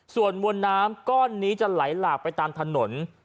ส่วนมวลน้ำก้อนนี้จะไหลหลากไปตามถนน